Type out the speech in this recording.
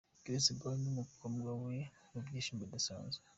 Chris Brown n’umukobwa we mubyishimo bidasanzwe.